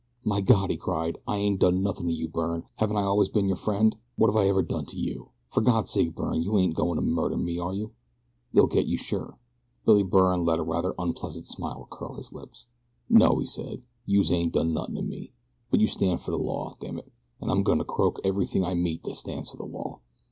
"My God!" he cried. "I ain't done nothin' to you, Byrne. Haven't I always been your friend? What've I ever done to you? For God's sake Byrne you ain't goin' to murder me, are you? They'll get you, sure." Billy Byrne let a rather unpleasant smile curl his lips. "No," he said, "youse ain't done nothin' to me; but you stand for the law, damn it, and I'm going to croak everything I meet that stands for the law.